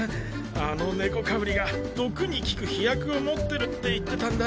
あの猫かぶりが毒に効く秘薬を持ってるって言ってたんだ。